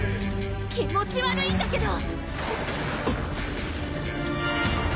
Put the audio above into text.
気持ち悪いんだけど！